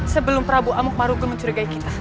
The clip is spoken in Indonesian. sebelum prabu amuk maruku mencurigai kita